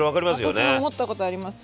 私も思ったことあります。